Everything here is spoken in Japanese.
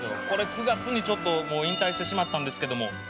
これ９月に引退してしまったんですけども。